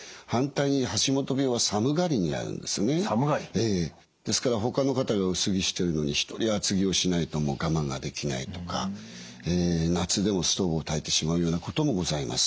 ええですからほかの方が薄着してるのに一人厚着をしないと我慢ができないとか夏でもストーブをたいてしまうようなこともございます。